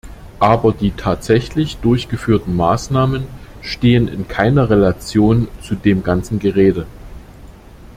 Aber die tatsächlich durchgeführten Maßnahmen stehen in keiner Relation zu dem ganzen Gerede.